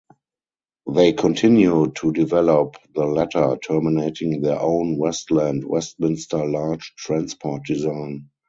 They continued to develop the latter, terminating their own Westland Westminster large transport design.